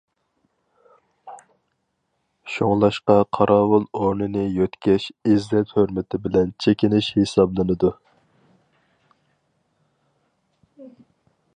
شۇڭلاشقا قاراۋۇل ئورنىنى يۆتكەش- ئىززەت ھۆرمىتى بىلەن چېكىنىش ھېسابلىنىدۇ.